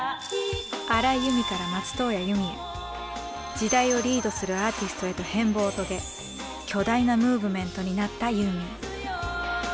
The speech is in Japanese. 時代をリードするアーティストへと変貌を遂げ巨大なムーブメントになったユーミン。